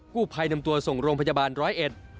ผู้ภัยนำตัวส่งโรงพยาบาลร้อยเอ็ด